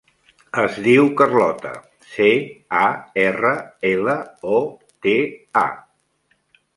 Es diu Carlota: ce, a, erra, ela, o, te, a.